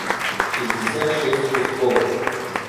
шестьдесят шесть кусков